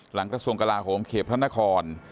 หลังระทรวงกราคมเขพระนคร